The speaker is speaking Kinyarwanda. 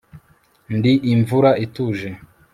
ndi imvura ituje